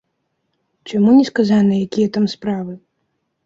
Чаму не сказана, якія там справы?